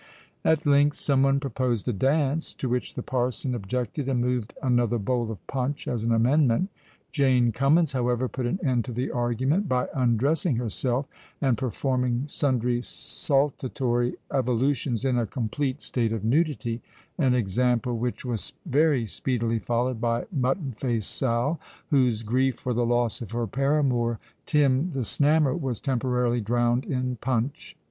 At length some one proposed a dance; to which the parson objected, and moved "another bowl of punch" as an amendment. Jane Cummins, however, put an end to the argument by undressing herself, and performing sundry saltatory evolutions in a complete state of nudity—an example which was very speedily followed by Mutton Face Sal, whose grief for the loss of her paramour, Tim the Snammer, was temporarily drowned in punch.